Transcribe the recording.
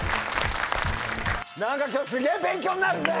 何か今日すげえ勉強になるぜ！